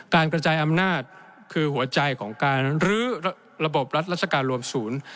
กระจายอำนาจคือหัวใจของการรื้อระบบรัฐราชการรวมศูนย์